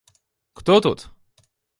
— Кто тут?